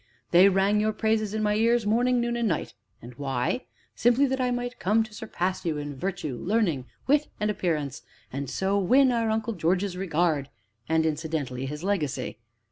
They rang your praises in my ears, morning, noon, and night. And why? simply that I might come to surpass you in virtue, learning, wit, and appearance, and so win our Uncle George's regard, and, incidentally, his legacy.